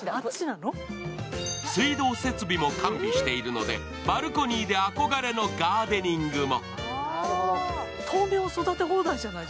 水道設備も完備しているので、バルコニーで憧れのガーデニングも。